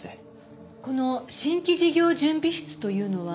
この新規事業準備室というのは？